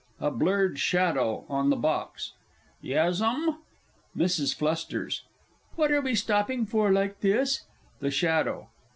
A BLURRED SHADOW ON THE BOX. Yes, M'm. MRS. F. What are we stopping for like this? THE SHADOW.